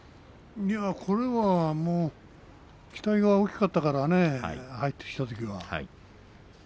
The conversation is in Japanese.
これはもう期待が大きかったからね入ってきたときは。